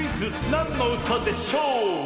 「なんのうたでしょう」！